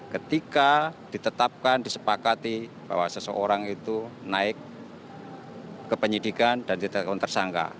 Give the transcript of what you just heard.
ketika ditetapkan disepakati bahwa seseorang itu naik ke penyidikan dan ditetapkan tersangka